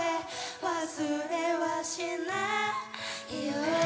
「忘れはしないよ」